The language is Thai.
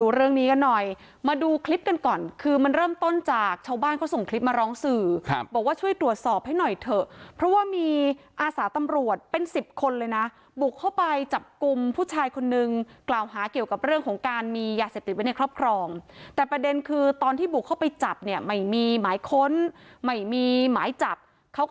เรื่องนี้กันหน่อยมาดูคลิปกันก่อนคือมันเริ่มต้นจากชาวบ้านเขาส่งคลิปมาร้องสื่อครับบอกว่าช่วยตรวจสอบให้หน่อยเถอะเพราะว่ามีอาสาตำรวจเป็นสิบคนเลยนะบุกเข้าไปจับกลุ่มผู้ชายคนนึงกล่าวหาเกี่ยวกับเรื่องของการมียาเสพติดไว้ในครอบครองแต่ประเด็นคือตอนที่บุกเข้าไปจับเนี่ยไม่มีหมายค้นไม่มีหมายจับเขาก็